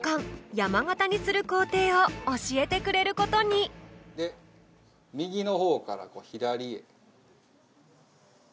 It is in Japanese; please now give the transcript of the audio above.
山形にする工程を教えてくれることにで右の方からこう左へ。